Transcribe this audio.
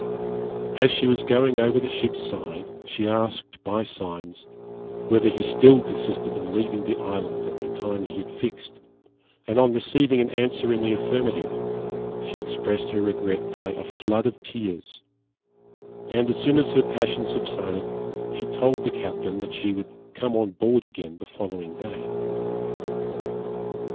As she was going over the ship's side, she asked, by signs, whether he still persisted in leaving the island at the time he had fixed, and on receiving an answer in the affirmative, she expressed her regret by a flood of tears; and as soon as her passion subsided, she told the captain that she would come on board again the following day.